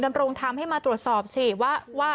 ดำรงธรรมให้มาตรวจสอบสิว่า